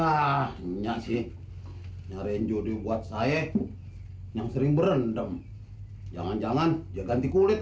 ah enggak sih nyariin jody buat saya yang sering berendam jangan jangan dia ganti kulit